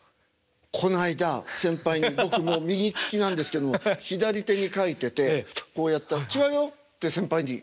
この間先輩に僕も右利きなんですけども左手に書いててこうやったら「違うよ」って先輩に。